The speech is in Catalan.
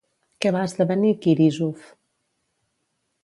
Què va esdevenir Quirísof?